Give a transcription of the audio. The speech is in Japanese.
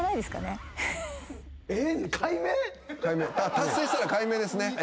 達成したら改名ですね。